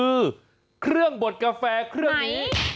คือเครื่องบดกาแฟเครื่องนี้